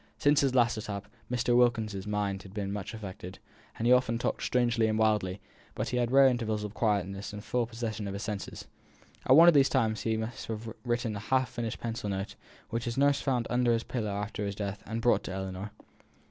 Since his last attack, Mr. Wilkins's mind had been much affected; he often talked strangely and wildly; but he had rare intervals of quietness and full possession of his senses. At one of these times he must have written a half finished pencil note, which his nurse found under his pillow after his death, and brought to Ellinor.